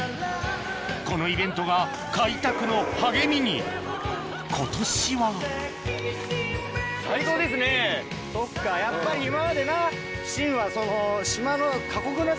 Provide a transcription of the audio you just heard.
このイベントが開拓の励みに今年はそっかやっぱり今までな。